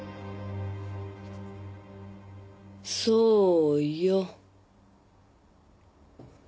そうよ。